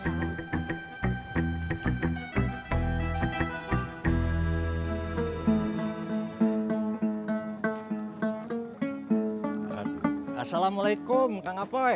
assalamualaikum kang kapoy